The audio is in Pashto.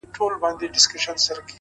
له نورو زده کړه حکمت دی